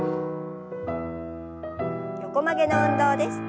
横曲げの運動です。